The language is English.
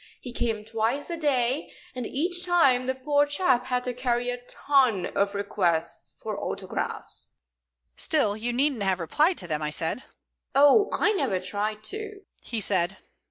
He came twice a day, and each time the poor chap had to carry a ton of requests for autographs." "Still, you needn't have replied to them," I said. "Oh, I never tried to," he said.